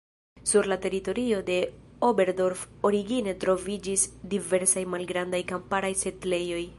Sur la teritorio de Oberdorf origine troviĝis diversaj malgrandaj kamparaj setlejoj.